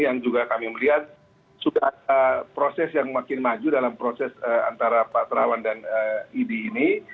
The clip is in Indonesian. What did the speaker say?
yang juga kami melihat sudah ada proses yang makin maju dalam proses antara pak terawan dan idi ini